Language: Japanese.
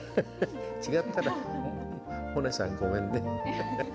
違ったら、モネさんごめんね。